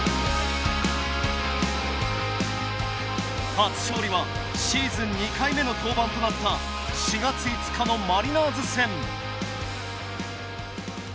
初勝利はシーズン２回目の登板となった４月５日のマリナーズ戦。